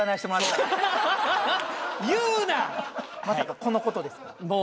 まさかこのことですか？